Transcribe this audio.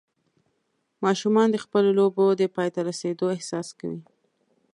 ماشومان د خپلو لوبو د پای ته رسېدو احساس کوي.